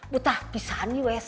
betah pisah di wc